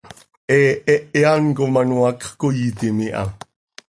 He hehe án com ano hacx coiitim iha.